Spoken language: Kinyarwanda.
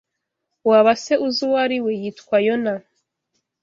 Waba se uzi uwo ari we Yitwa Yona